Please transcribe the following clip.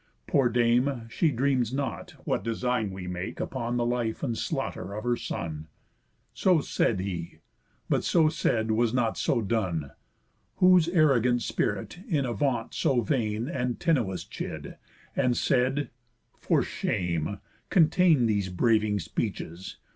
Poor dame, she dreams not, what design we make Upon the life and slaughter of her son." So said he; but so said was not so done; Whose arrogant spirit in a vaunt so vain Antinous chid, and said: "For shame, contain These braving speeches.